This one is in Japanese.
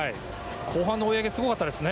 後半の追い上げすごかったですね。